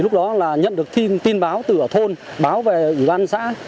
lúc đó là nhận được tin báo từ ở thôn báo về ủy ban xã